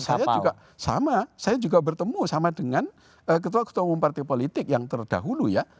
saya juga sama saya juga bertemu sama dengan ketua ketua umum partai politik yang terdahulu ya